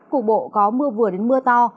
cục bộ có mưa vừa đến mưa to